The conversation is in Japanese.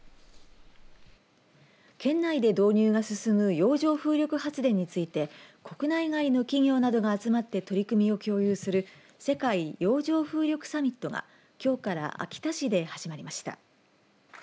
県内で導入が進む洋上風力発電について国内外の企業などが集まって取り組みを共有する世界洋上風力サミットがきょうから秋田市で始まりました。